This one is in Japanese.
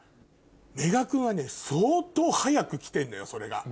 メガ君はね相当早く来てんのよそれが。